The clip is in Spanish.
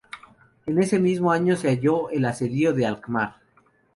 En ese mismo año se halló en el asedio de Alkmaar.